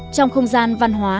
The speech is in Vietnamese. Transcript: trong không gian văn hóa